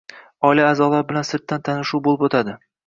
Oila a`zolari bilan sirtdan tanishuv bo`lib o`tadi